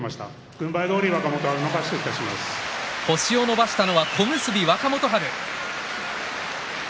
軍配どおり星を伸ばしたのは小結若元春。